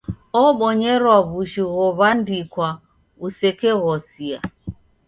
Obonyerwa w'ushu ghow'andikwa usekeghosia.